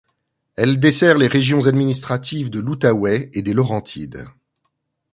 Elle dessert les régions administratives de l'Outaouais et des Laurentides.